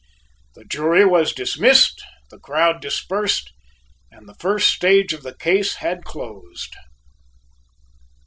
The jury was dismissed, the crowd dispersed, and the first stage of the case had closed.